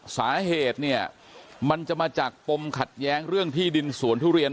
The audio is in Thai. สาเหตุเนี่ยมันจะมาจากปมขัดแย้งเรื่องที่ดินสวนทุเรียน